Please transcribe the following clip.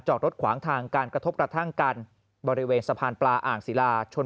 จอดรถขวางทางการกระทบกระทั่งกันบริเวณสะพานปลาอ่างศิลาชน